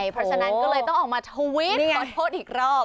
เพราะฉะนั้นก็เลยต้องออกมาทวิตขอโทษอีกรอบ